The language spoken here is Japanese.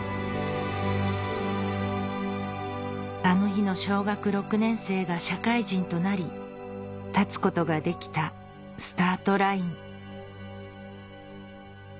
あの日の小学６年生が社会人となり立つことができたスタートライン